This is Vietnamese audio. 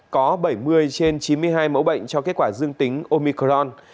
có bảy mươi trên chín mươi hai mẫu bệnh cho kết quả dương tính omicron